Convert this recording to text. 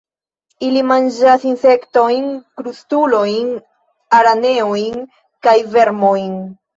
Ili manĝas insektojn, krustulojn, araneojn kaj vermojn.